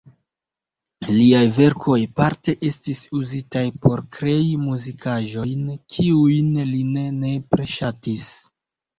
Liaj verkoj parte estis uzitaj por krei muzikaĵojn, kiujn li ne nepre ŝatis.